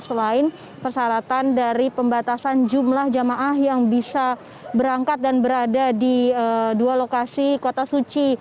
selain persyaratan dari pembatasan jumlah jamaah yang bisa berangkat dan berada di dua lokasi kota suci